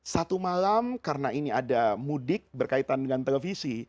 satu malam karena ini ada mudik berkaitan dengan televisi